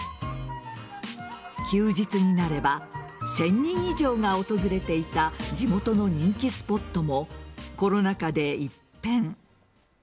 休日になれば１０００人以上が訪れていた地元の人気スポットもコロナ禍で一変。